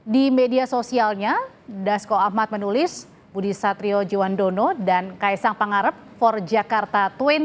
di media sosialnya dasko ahmad menulis budiastrio jiwandono dan kaisang pangarep for jakarta dua ribu dua puluh empat